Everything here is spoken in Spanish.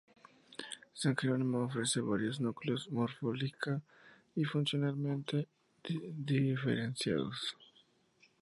San Jerónimo ofrece varios núcleos morfológica y funcionalmente diferenciados.